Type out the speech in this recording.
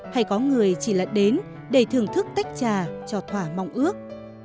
hay có người chỉ lẫn đến để thưởng thức tách trà cho thỏa mong ước